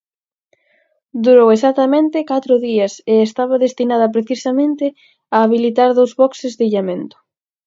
Durou exactamente catro días e estaba destinada precisamente a habilitar dous boxes de illamento.